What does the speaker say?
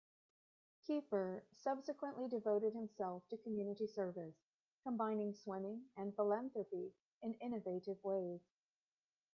Kiefer subsequently devoted himself to community service, combining swimming and philanthropy in innovative ways.